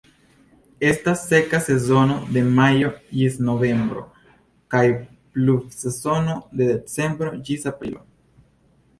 Estas seka sezono de majo ĝis novembro kaj pluvsezono de decembro ĝis aprilo.